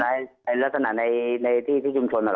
เป็นไปได้รัสนาในที่จุดจุดชนอ่ะหรอ